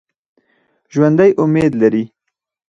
ژوندي امید لري